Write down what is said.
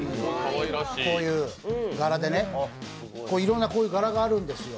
こういう柄でね、いろんな柄があるんですよ。